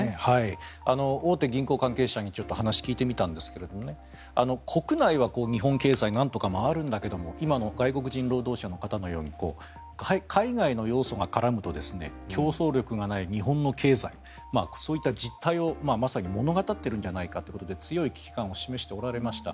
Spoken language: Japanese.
大手銀行関係者にちょっと話を聞いてみたんですが国内は日本経済なんとか回るんだけど今の外国人労働者の方のように海外の要素が絡むと競争力がない日本の経済そういった実態をまさに物語っているんじゃないかということで強い危機感を示しておられました。